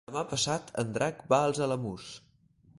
Demà passat en Drac va als Alamús.